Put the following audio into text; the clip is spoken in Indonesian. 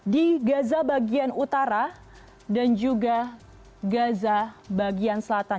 di gaza bagian utara dan juga gaza bagian selatan